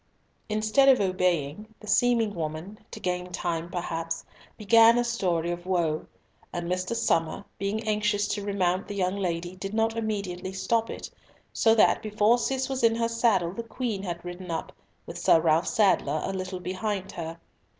Instead of obeying, the seeming woman, to gain time perhaps, began a story of woe; and Mr. Somer, being anxious to remount the young lady, did not immediately stop it, so that before Cis was in her saddle the Queen had ridden up, with Sir Ralf Sadler a little behind her.